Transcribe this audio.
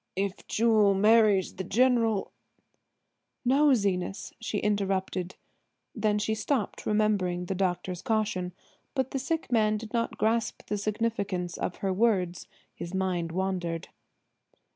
"If Jewel marries the General–" "No, Zenas," she interrupted; then she stopped remembering the doctor's caution. But the sick man did not grasp the significance of her words. His mind wandered.